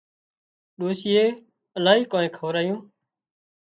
ڏوشيئي الاهي ڪانيئن کورايون